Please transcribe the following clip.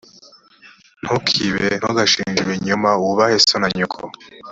ntukibe g ntugashinje ibinyoma wubahe so na nyoko